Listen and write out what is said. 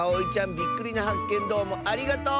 びっくりなはっけんどうもありがとう！